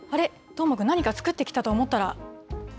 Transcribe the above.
どーもくん、何か作ってきたと思ったら。